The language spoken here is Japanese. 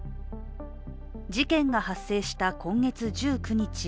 事件が発生した今月１９日。